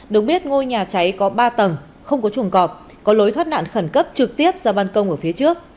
được biết ngôi nhà cháy có ba tầng không có chuồng cọp có lối thoát nạn khẩn cấp trực tiếp ra bàn công ở phía trước